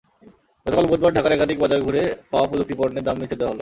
গতকাল বুধবার ঢাকার একাধিক বাজার ঘুরে পাওয়া প্রযুক্তিপণ্যের দাম নিচে দেওয়া হলো।